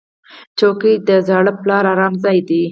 چوکۍ د زاړه پلار ارام ځای دی.